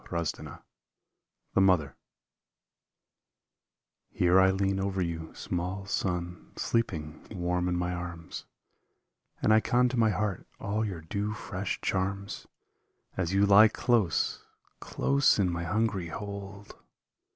149 THE MOTHER Here I lean over you, small son, sleeping Warm in my arms, And I con to my heart all your dew fresh charms, As you lie close, close in my hungry hold